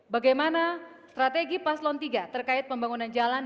bagaimana strategi paslon tiga terkait pembangunan jalan